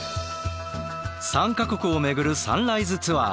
３か国を巡るサンライズツアー。